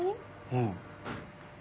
うん。